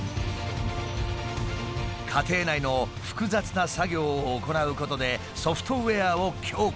家庭内の複雑な作業を行うことでソフトウエアを強化。